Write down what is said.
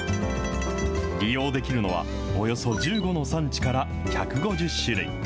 利用できるのは、およそ１５の産地から１５０種類。